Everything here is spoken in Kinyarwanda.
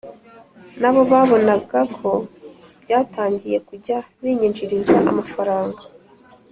na bo babonaga ko byatangiye kujya binyinjiriza amafaranga